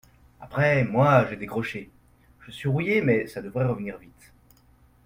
Après, moi, j’ai décroché. Je suis rouillée, mais ça devrait revenir vite